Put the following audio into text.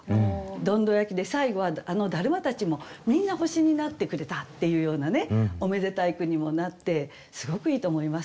どんど焼きで最後はあの達磨たちもみんな星になってくれたっていうようなねおめでたい句にもなってすごくいいと思います。